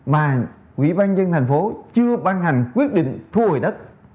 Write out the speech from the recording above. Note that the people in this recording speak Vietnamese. mà quỹ ban dân thành phố chưa ban hành quyết định thu hồi đất